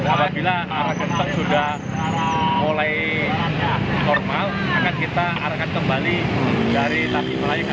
apabila arah gentong sudah mulai normal akan kita arahkan kembali dari tanjakan raja pola